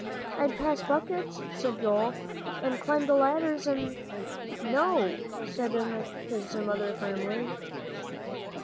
"I'd pass buckets," said Joel, "and climb the ladders and " "No," said his mother, firmly.